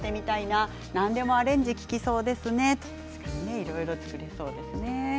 いろいろ作れそうですね。